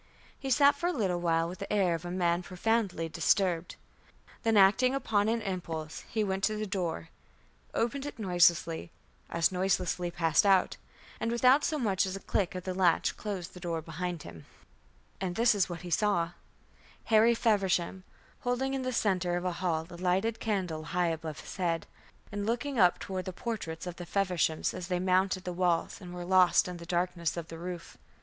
He sat for a little while with the air of a man profoundly disturbed. Then, acting upon an impulse, he went to the door, opened it noiselessly, as noiselessly passed out, and, without so much as a click of the latch, closed the door behind him. And this is what he saw: Harry Feversham, holding in the centre of the hall a lighted candle high above his head, and looking up toward the portraits of the Fevershams as they mounted the walls and were lost in the darkness of the roof.